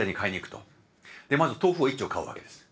まず豆腐を１丁買うわけです。